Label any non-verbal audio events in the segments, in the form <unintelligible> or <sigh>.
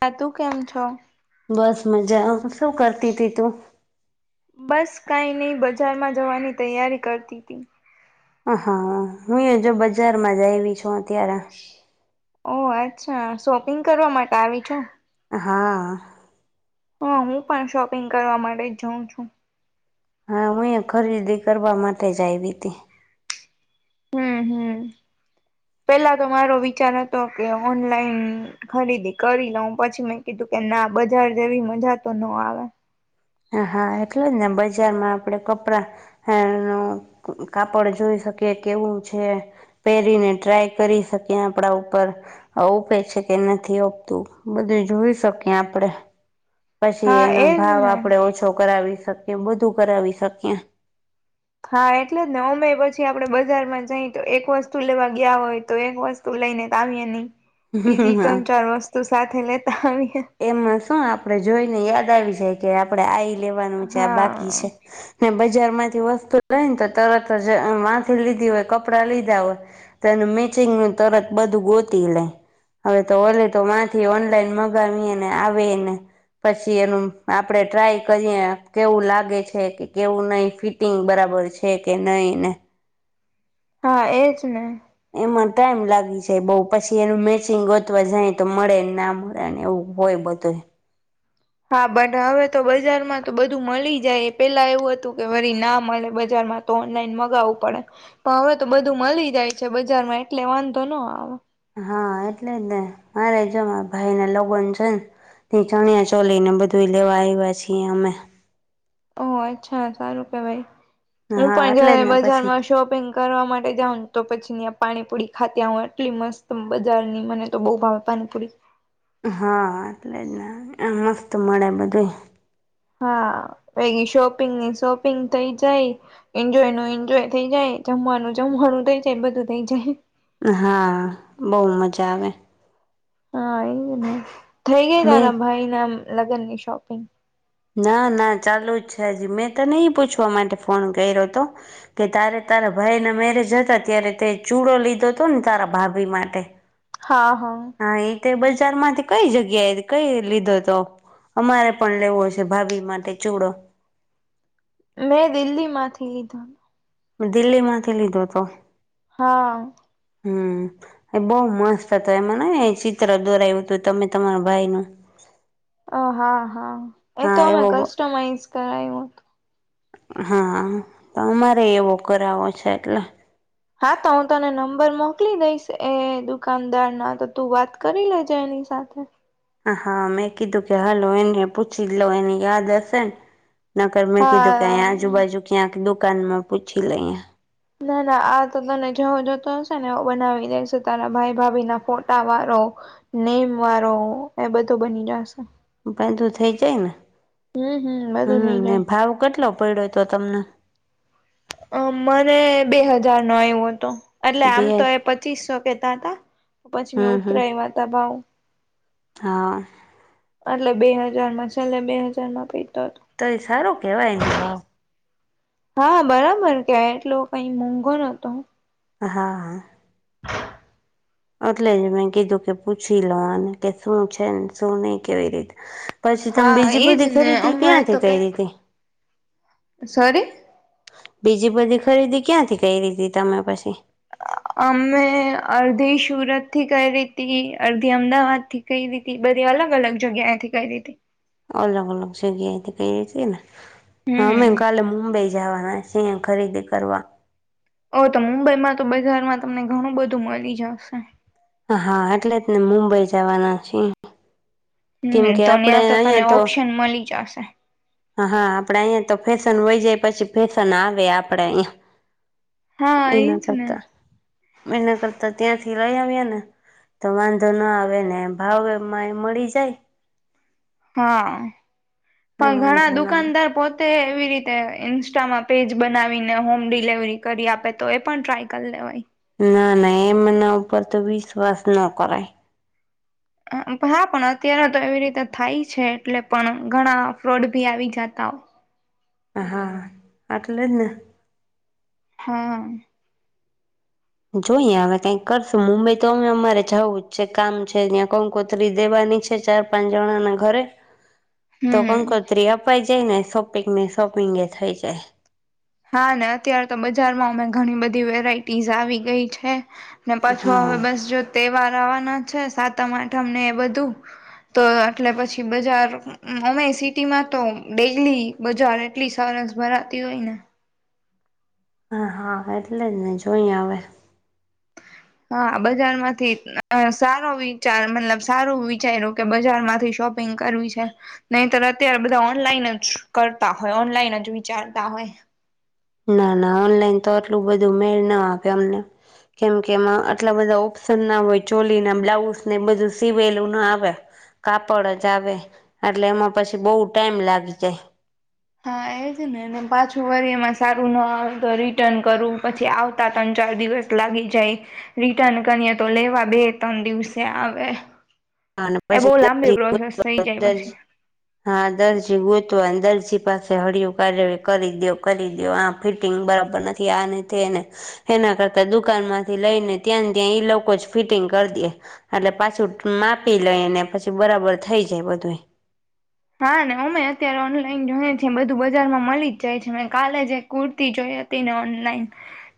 ત તું કેમ છો? બસ મજા શું કરતી હતી તું? બસ કાઈ નહી બજારમાં જવાની તૈયારી કરતી હતી. હ હા હું જો બજારમાં જ આવી છું અત્યારે. ઓ અચ્છા શોપિંગ કરવા માટે આવી છે. હા. હા હું પણ શોપિંગ કરવા માટે જ જાઉં છું. હા હું એ ખરીદી કરવા માટે જ આવી હતી. હમ હમ. પેલા તો મારો વિચાર હતો કે ઓનલાઈન ખરીદી કરી લઉ પછી મેં કીધું. કે ના બજાર જેવી મજા તો ન આવે. હ હા એટલે જ ને બજારમાં આપડે કપડા ન કાપડ જોઈ કે કેવું છે પહેરીને ટ્રાય કરી શકે આપડા ઉપર ઉપે છે. કે નથી આપતું બધું જોઈ શકીએ આપડે. <inaudible> પછી એનો એજ ભાવ ને. આપણેે ઓછો કરાવી શકીએ બધું કરાવી શકીએ. હા એટલે જ ને અમેય પછી આપડે બજારમાં જઈ તો એક વસ્તુ લેવા ગયા હોય તો એક વસ્તુ લઈ ને ત આવીયે ની બીજી હા ત્રણ ચાર વસ્તુ સાથે લેતા આવી એમાં શું આપડે જોઈને યાદ આવી જાય કે આપડણે આ લેવાનું છે બાકી હા છે બ બજાર માંથી વસ્તુ લઈ ને તો તરત જ માથી લીધી હોય કપડા લીધા હોય તો એ મિક ચિંગ નુ તરત બધું ગોતી લે હવેતો <unintelligible> ગરમીને આવે ને પછી એનું આપડે ટ્રાય કરીએ કેવું લાગે છે કે કેવું નહી ફિટિંગ બરાબર બરાબર છે કે નહી ને હા એજ ને ટાઈમ લાગી છે બઉ પછી એનું મેચિંગ ગોતવા જાય તો મળે ના મળે ને એવું હોય બધ્યે હા બટ હવે તો બજારમાં તો બધું મળી જાય પેલા એવું હતું કે ફરી ના મળે બજાર તો ઓનલાઈન મગાવવું પડે પણ હવે તો બધું મળી જાય છે બજારમાં એટલે વાંધો નો આવે હા એટલે જ ને મારે જો મા ભાઈ ના લોગન છે ને ચણિયા ચોલી ને બધું લેવા આવ્યા છીએ અમે. ઓહ અચ્છા સારું કેવાય. હું હા પણ એટલે જ જારે ને પછી બજારમાં શોપિંગ કરવા માટે જાઉ તો પછી પાણીપુરી ખાતી આટલી મસ્ત બજારની મને તો બહુ ભાવે પાણીપુરી હા એટલે જ ને મસ્ત મળે બધું હા પ શોપિંગ ની શોપિંગ થઇ જાય એન્જોય ન એન્જોય થઇ જાય જમવાનું જમવાનું થઇ જાય બધું થઇ જાય હા બહુ મજા આવે. હા એ થઈ ગઈ મેં તારા ભાઈ ના લગ્ન ની શોપિંગ? ના ના ચાલુ જ છે હજુ મેં તો ન ઈ પૂછવા માટે ફોન કર્યો હતો કે તારે તારેા ભાઈના મેરેજ હતા ત્યારે તે ચૂડો લીધો હતો ને તારા ભાભી માટે. હા હા. તે બજાર માંથી કઈ જગ્યાએ કઈ લીધો હતો? અમારે પણ લેવું હશે ભાભી માટે ચૂડો. મેં દિલ્હી માંથી લીધો. દિલ્હી માંથી લીધો તો? હા. હમ્મ એ બહુ મસ્ત હતો એમાંને ચિત્ર દોરાય્યું હતું તમે તમારા ભાઈનું. હા હા એ તો અમે એવો કસ્ટમાઈઝ કરાયું હતું. હા તો અમારે એવો કરાવો છે એટલે. હા તો તને નંબર મોકલી દઈશ એ દુકાનદાર ના તો તું વાત કરી લેજે એની સાથે. હા મેં કીધું કે હાલો એને પૂછી લો એને યાદ હશે ને નતર મેં કીધું કે હા અહીયા આજુબાજુ ક્યાં દુકાનમાં પૂછી લિયે ના ના આ તો તને જવો જતો હશે ને એ બનાવી દેશે તારા ભાઈ ભાભી ના ફોટા વાળો. નેમ વાળો એ બધો બની જશે. બધું થઇ જાય ને હમ હમ બધું હમ્મ થઇ ને જાય ભાવ કેટલો પડ્યો તો તમને. અ મને બે હજાર નો આવ્યો હતો. એટલે બે આમ તો એ પચીસસો કેતા હતા પછી મેં હમ હમ ઉતરાય્યા તા ભાવ હા. એટલે બે હાજારમાં છેલ્લે બે હાજાર માંતી તો એ સારું કેવાય એનો ભાવ હા બરાબર કે એટલો કઈ મોંઘો નો તો. હા હા. એટલે જ મેં કીધું કે પૂછી લોઉને કે શું છે ને શું નહીિ કેવી રીતે. પછી તમે હા બીજી એજ બધી ને ખરીદી અમારે તો ક્યાંથી કઈ કરી હતી. સોરી. બીજી બધી ખરીદી ક્યાંથી કરીી હતી તમે પછી? હ. અમે અડધી સુરત થી કરી ર હતી અડધી અમદાવાદ થી કરીઈ રી હતી બધી અલગ અલગ જગ્યા એંથી કરીઈ હતી. અલગ અલગ જગ્યાએ એ કઈ ર છે ને હા મે હમ કાલે મુંબઈ જવાના ખરીદી કરવા. ઓ તો મુંબઈમાં તો બજારમાં તમને ઘણું બધું મળી જશે. હા એટલે જ ને મુંબઈ જવાના છીયે. હમ તો ત્યાં તો તને ઓપ્શન મળી જશે. હા આપડે અહીિયાયા તો ફેશન હોય જાય પછી ફેશન આવે આપડે અહીંયા. હા એજ એના ને કરતા એના કરતા ત્યાંથી લઈ આવએ ને તો વાંધો ના આવે ને ભાવ એમાં એ મળી જાય હા ને પણ વાંધો ઘણા ના આવે દુકાનદાર પોતે કેવી રીતે ઇન્સ્ટામાં પેજ બનાવીને હોમ ડિલવરી કરી આપે તો એ પન ટ્રાય કલ લેવાય ના ના એમના ઉપર તો વિશ્વાસ ન કરાય હા પણ અત્યારે તો એવી રીતે થાય છે એટલે પણ ઘણા ફ્રોડ ભી આવી જાત આમ હા આટલે જ ને હા જોઈએ હવે કઈક કરશું મુંબઈ તો અમે અમારે જવું જ છે કામ છે ત્યાં કંકોતરી દેવાની ની છે ચાર પાંચ જણા ના ઘરે તો હમ કંકોત્રી અપાઈ જાય ને શોપિંગ ને શોપિંગ એ થઈ જાય હા ને અત્યાર તો બજારમાં અમે ઘણી બધી વેરાઈટીઝ આવી ગઈ છે ને પાછું હા હવે બસ જો તહેવાર આવવાના છે સાતમ આઠમ ને એ બધું તો એટલે પછી બજાર અમે સિ ટી માં તો ડેલી બજાર એટલી સાર સરસ ભરાતી હોય ને હા હા એટલે જ ને જોઈ હવે <inaudible> હા બજાર માંથી સારો વિચાર મતલબ સારું વિચાર્યું કે બજારમાંથી શોપ પીગ કરવી છે નઈ તર અત્યારે બધા ઓનલાઈન જ કરતા હોય ઓનલાઈન જ વિચારતા હોય <inaudible> ના ના ઓનલાઈન તો આટલું બધું મેળ ના આપે અમને કેમ કે એમાં આટલા બધા ઓપ્શન ના હોય ચોલી ના બ્લાઉઝ ને એ બધું સીવેલું ન આવે કાપડ જ આવે એટલે એમાં પછી બો ટાઈમ લાગી જાય હા એજ ને પાછું વર એમાં સારું ના આવ તો રિટર્ન કરું પછી આવતા તન ચાર દિવસ લાગી જાય રિટર્ન કરીએ તો લેવા બે ત્રણ દિવસે આવે હા ને બહુ લાંબી પછી પ્રોસેસ થઈ જાય પછી <inaudible> પછી પાસે હળિયું કાઢ કરી દ્યો કરી દ્યો આ ફિટિંગ બરાબર નથી આને તેને એના કરતા દુકાન માંથી લઈને ત્યાં ત્યાં ઈ લોકો જ ફિટિંગ કરી દે એટલે પાછું માપ પીલઈ અને પછી બરાબર થઈ જાય બધું હા ને અમે અત્યારે ઓનલાઈન જોઈએ છે બધું બજારમાં મલી જ જાય છે મે કાલે જ એક કુર્તી જોઈ હતી ને ઓનલાઈન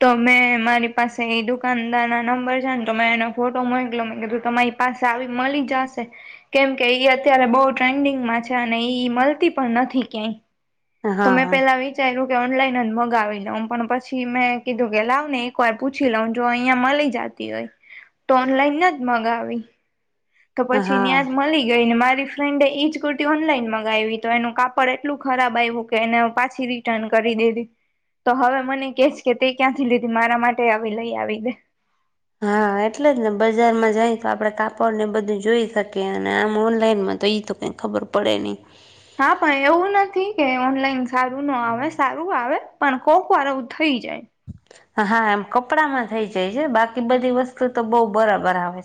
તો મે મારી પાસે ઈ દુકાનદાર ના નંબર છે ને મે ફોન <unintelligible> તમારી પાસે આવી મલી જાશે કેમ કે ઈ અત્યારે બોઉ ટ્રેન્ડિંગમાં છે અને ઈ મલતી પન નથી ક્યાંય તો હા મેં હા પેલા વિચાર્યું ઓનલાઈન જ મગાવી લઉ પણ પછી મેં કીધું કે લાવ ને એક વાર પૂછી લઉ જો અહંયા મલી જા જતી હોય તો ઓનલાઈન નજ મગાવી તો પછી હા ઈયા જ મલી ગઈને મારે મારી ફ્રેન્ડે એ જ કુર્તી ઓનલાઈન મગાવી તો એનું કાપડ એટલું ખરાબ આવ્યું કે એને પાછી રિટર્ન ક કરી દીધી તો હવે મને કે છે કે તે ક્યાંથી લીધી મારા માટે આવી લઈ આવી દે હા એટલે જ ને બજારમાં જાય તો આપડે કાપડ ને બધું જોઈ શકીએ અને આમ ઓનલાઈનમાં તો એ તો કઈ ખબર પડે નઈ હા પણ એવું નથી કે ઓનલાઈન સારું ના આવે સારું આવે પણ કોક વાર એવું થઈ જાય હા હા એમ કપડામાં થઈ જાય છે બાકી બધી વસ્તુ તો બો બરાબર આવે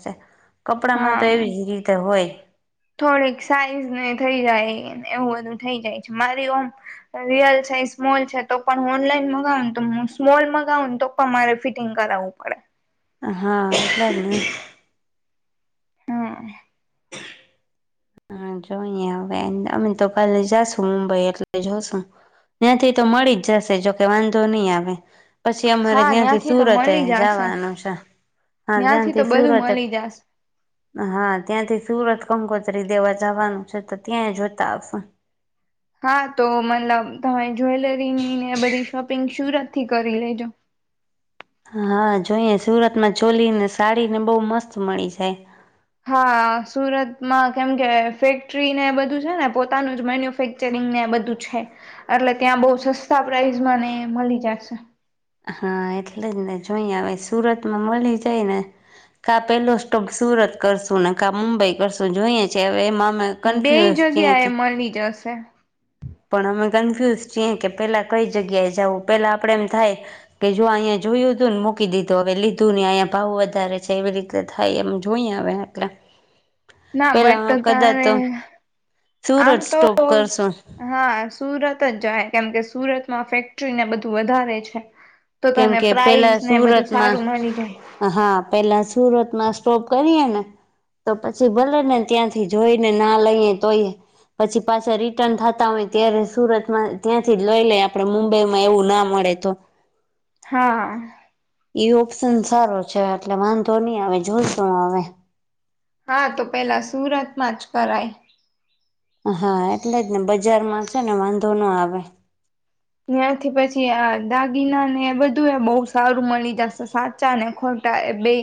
છે કપડામાં તો હા એવી જ રીતે હોય થોડીક સાઈઝ ને થઈ જાય એવું બધું થઈ જાય છે મારી ઓમ રિયલ છે સ્મોલ છે તો પણ ઓનલાઈન મગાવુ <inaudible> સ્મોલ માગાવુ ને તો તમારે ફિટિંગ કરાવવું પડે હા <inaudible> ને હા હા જોઈએ હવે અમે તો પેલે જાશું મુંબઈ એટલે જોશું ત્યાંથી તો મળી જ જશે જોકે વાંધો નઈ આવે પછી અમારે હા ત્યાંથી તો સુરતે મળી જશે જવાનું છે હા ત્યાંથી તો બધું સુરત મળી જશે હા ત્યાંથી સુરત કમકો તરી દેવા જવાનું છે તો ત્યાંય જોતા આપ હા તો મતલબ તમે જ્વેલરીની ને બધી શોપિંગ શરત નથી કરી લેજો હા જોઈએ સુરતમાં ચોલી ને સાડી ને બહુ મસ્ત મળી જાય હા સુરતમાં કેમ કે ફેક્ટરી ને બધું છે ને પોતાનું જ મેન્યુફેક્ચરિંગ બધું છે એટલે ત્યાં બહ સસ્તા પ્રાઇઝ ને મળી જશે હા એટલે જ ને જોઈ આવે સુરત માં મળી જાય ને કા પેલો સ્ટોપ સુરત કરશું ને કા મુંબઈ કરશું જોઈએ છે હવે એમાં અમે બે કન્ફ્યુઝ છીએ જગ્યા એ કે મળી જશે પણ અમે કન્ફ્યુઝ છીએ કે પેલા કઈ જગ્યાએ જાવ પેલા આપડે એમ થાય કે જો અહીં. જોયું હતું ને મૂકી દીધું હવે લીધું ને અહીંયા ભાવ વધારે છે એવી રીતે થાય એમ જોઈએ હવે એટલે. <inaudible> ના બટ પેલા તારે કદાચ આમ સુરત તો સ્ટોપ કરશું હા સુરત જ જાય કેમ કે સુરતમાં ફેક્ટરીને બધું વધારે છે તો કેમ તને કે પેલા પ્રાઇઝ ને બધું સુરતમાં સારું મળી જાય હા પેલા સુરતમાં સોપ કરીએ ને તો પછી ભલે ને ત્યાંથી જોઈ ને ના લઈએ તોઈએ પછી પાછા રિટર્ન થતા હોય ત્યારે સુરતમાં ત્યાંથી જ લઈ લઈ આપડે મુંબઈમાં એવું ના મળે તો હા એઈ ઓપ્શન સારો છે એટલે વાંધો નહી આવે જોશો હવે હા તો પેલા સુરતમાં જ કરાય હા એટલે જ ને બજારમાં છે ને વાંધો ના આવે ત્યાથી પછી આ દાગીના ને એ બધું એ બહ સારું મળી જશે સાચા ને ખો ટા એ બે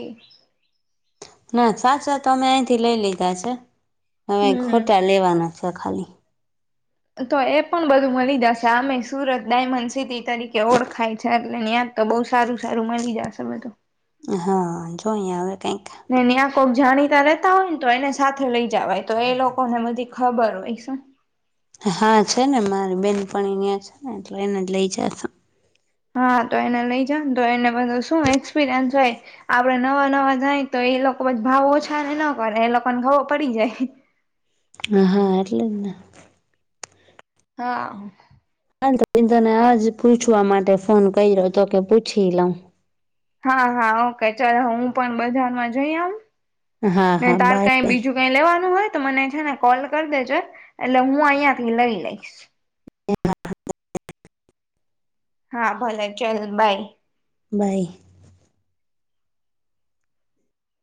ના સાચ સાથ અમે અહીંથી લઈ લીધા છે હમે હમ ખોટા લેવાના પછ્યા ખાલી તો એ પણ બધું મળી જશે આમે સુરત ડાયમંડ સિટી તરીકે ઓળખાય છે એટલે. તો બહુ સારું સારું મળી જશે બધું. હા જો અહીંયા હવે કઈક. ને ન્યા કોક જાણીતા રેતા હોય ને તો એને સાથે લઇ જવાય તો એ લોકોને બધી ખબર હોય. શ. હા છે ને મારી બેન પણ અં છે ને એટલે એને જ લઈ જશે. હા તો એને લઈ જ તો એને બધ શું એક્સપિરિયન્સ હોય આપડે નવા નવા જાય તો. એ લોકો બ ભાવ ઓછા ને ના કરે એ લોકોને ગાવો પડી જાય. હ હા આરલાના. હા. <inaudible> તને આજ પૂછવા માટે ફોન કર્યો હતો કે પૂછી લઉ. હા હા ઓકે ચાલ હું પણ બજારમાં જઈ આઉં? હા ને હા તાર બાય કઈ બાય બીજું કઈ લેવાનું હોય તો મને છે ને કોલ કર દેજે એટલે હું અહીંયા થી લઈ લઈશ. <inaudible> હા ભલે ચાલ બાય. બાય.